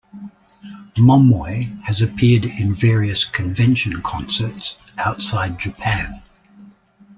Momoi has appeared in various convention concerts outside Japan.